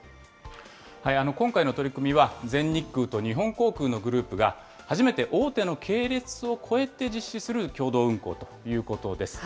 今回の取り組みは、全日空と日本航空のグループが、初めて大手の系列を超えて実施する共同運航ということです。